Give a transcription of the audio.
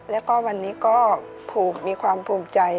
แล้วก็วันนี้ก็มีความภูมิใจ